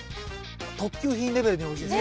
特級品レベルにおいしいです。